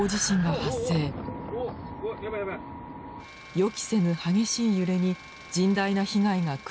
予期せぬ激しい揺れに甚大な被害が繰り返されています。